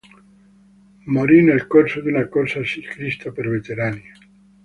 Morì nel corso di una corsa ciclistica per veterani.